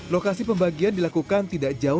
lokasi pembagian dilakukan tidak terlalu lama